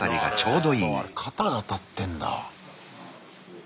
あれ肩にあたってんだ。